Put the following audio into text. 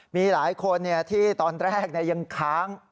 มีหลายคนที่ตอนแรกยังค้าง